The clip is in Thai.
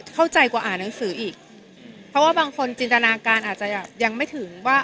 เข้าใจกว่าอ่านหนังสืออีกเพราะว่าบางคนจินตนาการอาจจะยังไม่ถึงว่า